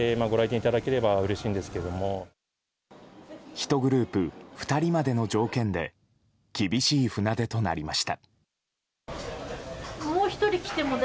１グループ２人までの条件で厳しい船出となりました。